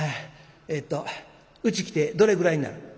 えっとうち来てどれぐらいになる？